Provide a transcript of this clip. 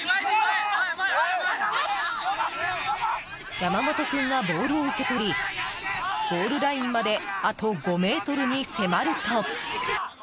山本君がボールを受け取りゴールラインまであと５ｍに迫ると。